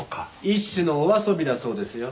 一種のお遊びだそうですよ。